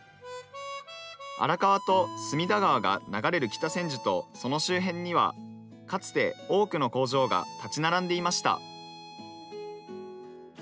荒川と隅田川が流れる北千住とその周辺にはかつて多くの工場が立ち並んでいました。